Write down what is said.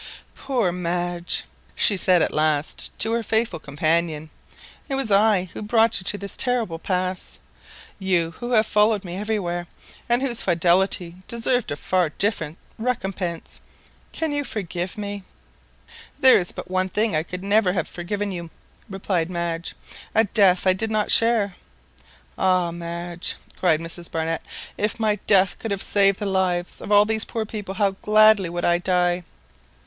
"Poor Madge!" she said at last to her faithful companion; "it was I who brought you to this terrible pass—you who have followed me everywhere, and whose fidelity deserved a far different recompense! Can you forgive me?" "There is but one thing I could never have forgiven you," replied Madge,—"a death I did not share!" "Ah, Madge!" cried Mrs Barnett, "if my death could save the lives of all these poor people, how gladly would I die!"